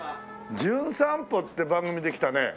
『じゅん散歩』っていう番組で来たね